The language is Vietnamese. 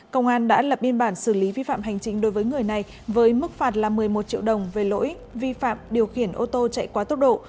công an đã lập biên bản xử lý vi phạm hành chính đối với người này với mức phạt là một mươi một triệu đồng về lỗi vi phạm điều khiển ô tô chạy quá tốc độ